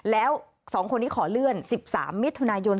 แล้ว๒คนนี้ขอเลื่อน๑๓มิถุนายน